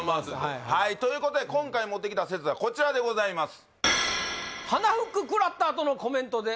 はいということで今回持ってきた説はこちらでございます